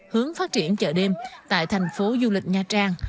hướng phát triển chợ đêm tại thành phố du lịch nha trang